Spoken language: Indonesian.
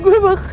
kau lebih banyak